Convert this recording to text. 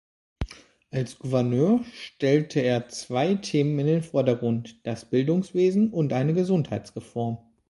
Als Gouverneur stellte er zwei Themen in den Vordergrund: das Bildungswesen und eine Gesundheitsreform.